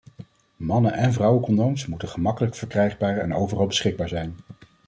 Mannen- en vrouwencondooms moeten gemakkelijker verkrijgbaar en overal beschikbaar zijn.